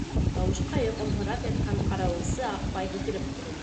Т ауышҡа йоҡомһорап ятҡан ҡарауылсы Аҡбай һикереп торҙо.